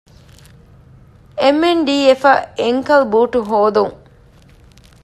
އެމް.އެން.ޑީ.އެފްއަށް އެންކަލް ބޫޓު ހޯދުން